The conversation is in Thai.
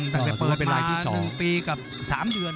ตั้งแต่เปิดมา๑ปีกับ๓เดือน